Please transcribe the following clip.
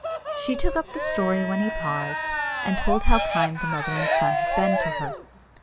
She took up the story when he paused, and told how kind the mother and son had been to her.